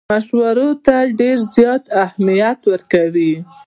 مشورو ته ډېر زیات اهمیت ورکوي.